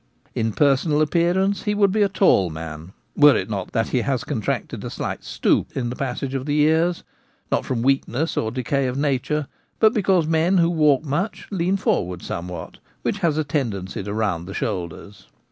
In personal appearance he would be a tall man were it not that he has contracted a slight stoop in the passage of the years, not from weakness or decay of nature, but because men who walk much lean for ward somewhat, which has a tendency to round the shoulders.